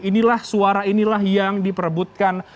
inilah suara inilah yang diperebutkan